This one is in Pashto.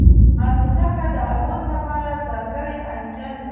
الوتکه د الوت لپاره ځانګړی انجن لري.